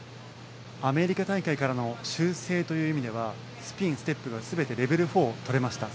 アメリカ大会からの修正という意味ではスピン、ステップが全てレベル４を取れました。